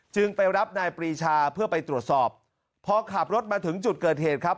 จึงไปรับนายปรีชาเพื่อไปตรวจสอบพอขับรถมาถึงจุดเกิดเหตุครับ